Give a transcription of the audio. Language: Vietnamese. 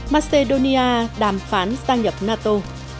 macedonia đàm phán gia nhập nato